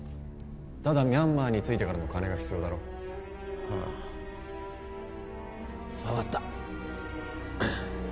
ただミャンマーに着いてからの金が必要だろああ分かった